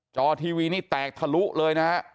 จอทีวีนี่แตกทะลุเลยนะฮะ